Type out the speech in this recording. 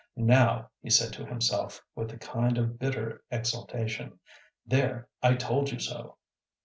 "Now," he said to himself, with a kind of bitter exultation, "there, I told you so."